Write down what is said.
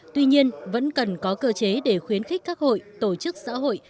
tuy nhiên vẫn cần có cơ chế để khuyến khích các hội tổ chức xã hội